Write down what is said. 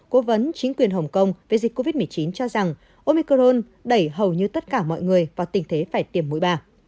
cố vấn chính quyền hồng kông về dịch covid một mươi chín cho rằng omicron đẩy hầu như tất cả mọi người vào tình thế phải tiềm mũi ba